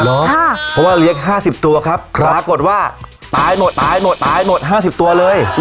เหรอฮะเพราะว่าเลี้ยงห้าสิบตัวครับครับปรากฏว่าตายหมดตายหมดตายหมดห้าสิบตัวเลย